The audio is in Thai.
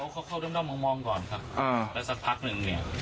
เขาเข้าร่ำมองมองก่อนค่ะแล้วสักพักนึงเนี่ย